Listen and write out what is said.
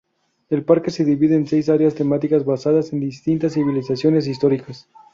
El parque se divide en seis áreas temáticas basadas en distintas civilizaciones históricas.